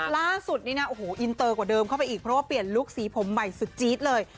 ล่าสุดนี้นะโอ้โหอินเตอร์กว่าเดิมเข้าไปอีกเพราะว่าเปลี่ยนลุคสีผมใหม่สุดจี๊ดเลย